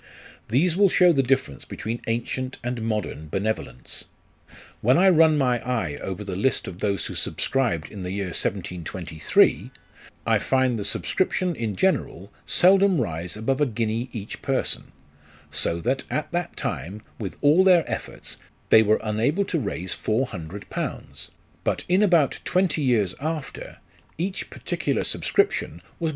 These will show the difference between ancient and modern benevolence. When I run my eye over the list of those who subscribed in the year 1723, I find the subscription in general seldom rise above a guinea each person ; so that, at that time, with all their efforts, they were unable to raise four hundred pounds ; but in about twenty years after, each particular subscription was VOL. IV. G 82 LIFE OF RICHARD NASH.